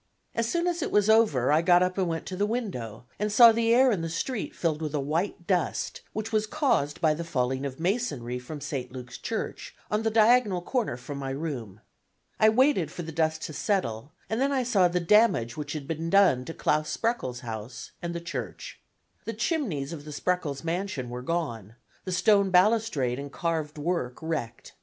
As soon as it was over I got up and went to the window, and saw the air in the street filled with a white dust, which was caused by the falling of masonry from St. Luke's Church on the diagonal corner from my room. I waited for the dust to settle, and I then saw the damage which had been done to Claus Spreckels's house and the church. The chimneys of the Spreckels mansion were gone, the stone balustrade and carved work wrecked.